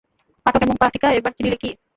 পাঠক এবং পাঠিকা, এবার চিনিলে কি।